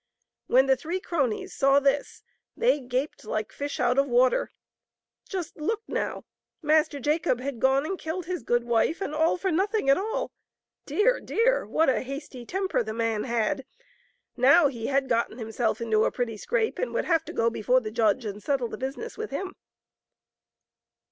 When the three cronies saw this, they gaped like fish out of water. Just look now! Master Jacob had gone and killed his good wife, and all for nothing at all. Dear, dear ! what a hasty temper the man had. Now he had gotten himself into a pretty scrape, and would have to go before the judge and settle the business with him.